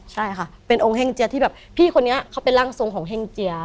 ใช่ค่ะเป็นองค์แห่งเจียที่แบบพี่คนนี้เขาเป็นร่างทรงของเฮ่งเจีย